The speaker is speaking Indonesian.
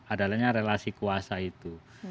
adalahnya relasi kuasa itu